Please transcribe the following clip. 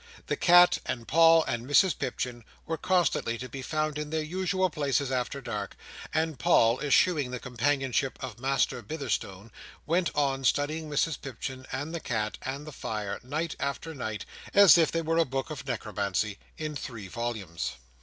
The cat, and Paul, and Mrs Pipchin, were constantly to be found in their usual places after dark; and Paul, eschewing the companionship of Master Bitherstone, went on studying Mrs Pipchin, and the cat, and the fire, night after night, as if they were a book of necromancy, in three volumes.